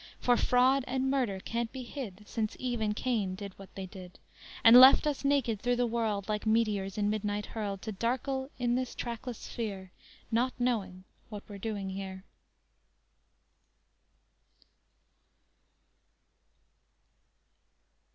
For fraud and murder can't be hid Since Eve and Cain did what they did And left us naked through the world, Like meteors in midnight hurled, To darkle in this trackless sphere, Not knowing what we're doing here!